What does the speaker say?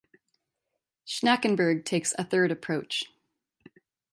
Schnackenberg takes a third approach.